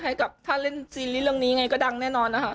ให้กับถ้าเล่นซีรีส์เรื่องนี้ไงก็ดังแน่นอนนะคะ